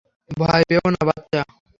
ভয় পেও না, বাচ্চা।